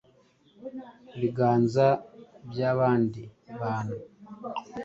biganza iby’abandi bantu.